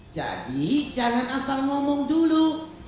jadi jangan asal ngomong dulu